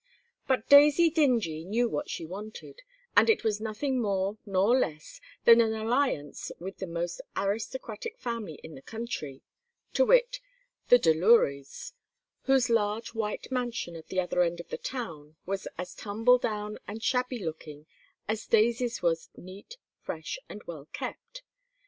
But Daisy Dingee knew what she wanted, and it was nothing more nor less than an alliance with the most aristocratic family in the country, to wit: the Delurys, whose large white mansion at the other end of the town was as tumble down and shabby looking as Daisy's was neat, fresh, and well kept.